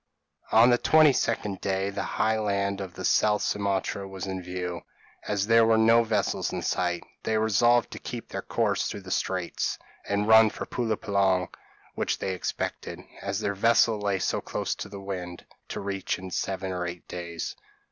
p> On the twenty second day the high land of the south of Sumatra was in view: as there were no vessels in sight, they resolved to keep their course through the Straits, and run for Pulo Penang, which they expected, as their vessel lay so close to the wind, to reach in seven or eight days.